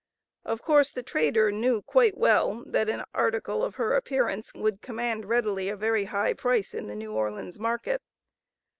Of course the trader knew quite well, that an "article" of her appearance would command readily a very high price in the New Orleans market.